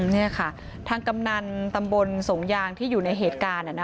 นี่ค่ะทางกำนันตำบลสงยางที่อยู่ในเหตุการณ์